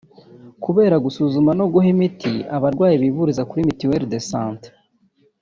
kubera gusuzuma no guha imiti abarwayi bivuriza kuri Mutuelle de Santé